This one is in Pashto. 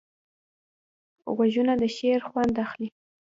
غوږونه د شعر خوند اخلي